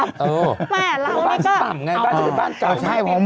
เพราะว่าบ้านจะต่ำไงบ้านจะเป็นบ้านเก่า